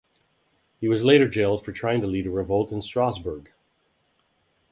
He was later jailed for trying to lead a revolt in Strasbourg.